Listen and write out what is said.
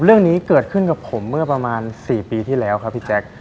เรื่องนี้เกิดขึ้นกับผมเมื่อประมาณ๔ปีที่แล้วครับพี่แจ๊ค